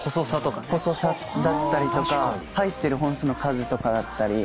細さだったりとか入ってる本数の数とかだったり。